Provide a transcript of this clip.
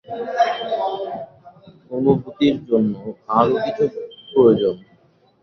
অনুভূতির জন্য আরও কিছুর প্রয়োজন।